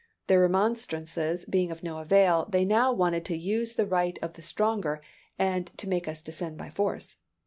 Their remonstrances being of no avail, they now wanted to use the right of the stronger, and to make us descend by force.